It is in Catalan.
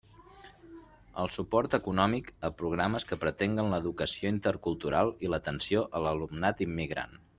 El suport econòmic a programes que pretenguen l'educació intercultural i l'atenció a l'alumnat immigrant.